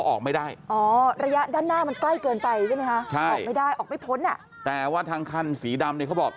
ออกไม่ได้ออกไม่พ้นอ่ะแต่ว่าทางคันสีดำเนี่ยเขาบอก